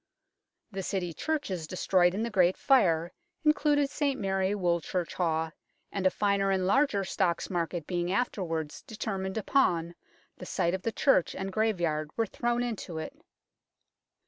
The City churches de stroyed in the Great Fire included St Mary Woolchurchhawe, and a finer and larger Stocks Market being afterwards determined upon, the site of the church and graveyard were thrown into it.